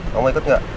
mau ikut gak